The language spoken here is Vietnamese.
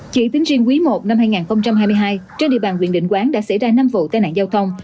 chỉ tính riêng quý i năm hai nghìn hai mươi hai trên địa bàn huyện định quán đã xảy ra năm vụ tai nạn giao thông